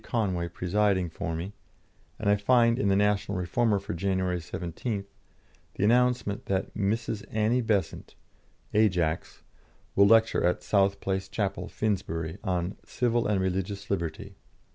Conway presiding for me, and I find in the National Reformer for January 17th, the announcement that "Mrs. Annie Besant ('Ajax') will lecture at South Place Chapel, Finsbury, on 'Civil and Religious Liberty.'"